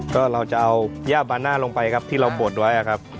ก็เราจะเอาย่าบาน่าลงไปครับที่เราบดไว้ครับ